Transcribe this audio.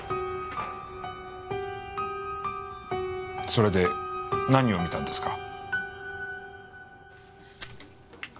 それで何を見たんですか？